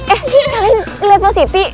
eh kalian liat positi